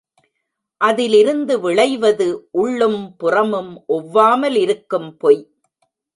அதிலிருந்து விளைவது உள்ளும் புறமும் ஒவ்வாமல் இருக்கும் பொய்.